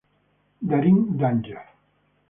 Daring Danger